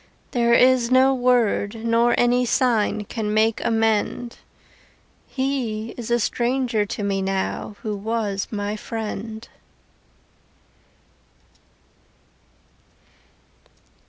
There is no word nor any sign Can make amend He is a stranger to me now Who was my friend.